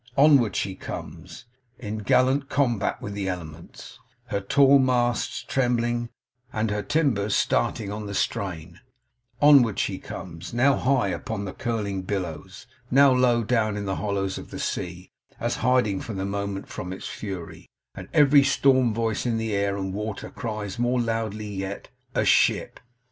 Onward she comes, in gallant combat with the elements, her tall masts trembling, and her timbers starting on the strain; onward she comes, now high upon the curling billows, now low down in the hollows of the sea, as hiding for the moment from its fury; and every storm voice in the air and water cries more loudly yet, 'A ship!